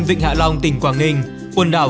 vịnh hạ long tỉnh quảng ninh quần đảo